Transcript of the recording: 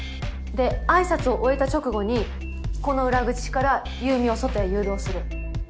であいさつを終えた直後にこの裏口から優美を外へ誘導する。